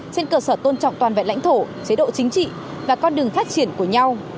trên cơ sở tôn trọng toàn vẹn lãnh thổ chế độ chính trị và con đường phát triển của nhau